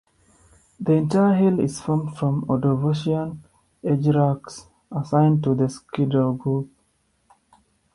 The entire hill is formed from Ordovician-age rocks assigned to the Skiddaw Group.